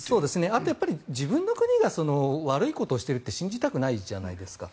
あとは自分の国が悪いことをしているって信じたくないじゃないですか。